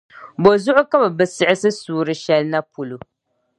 Bozuɣu ka bɛ bi siɣisi suura shεli na polo?